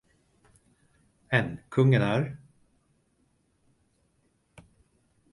en. Kungen är